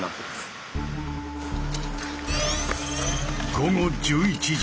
午後１１時。